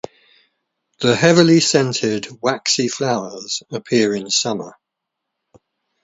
The heavily scented waxy flowers appear in summer.